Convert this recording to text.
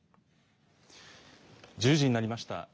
１０時になりました。